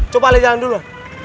coba lejalan dulu